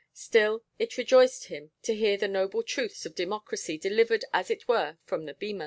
Still it rejoiced him to hear the noble truths of democracy delivered as it were from the bema.